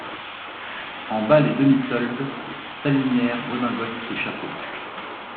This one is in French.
En bas, les demi-soldes s'alignèrent, redingotes et chapeaux.